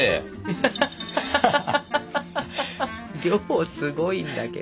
量すごいんだけど。